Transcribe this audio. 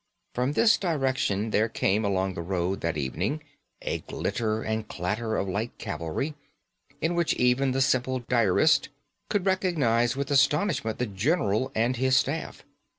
From this direction there came along the road that evening a glitter and clatter of light cavalry, in which even the simple diarist could recognise with astonishment the general with his staff.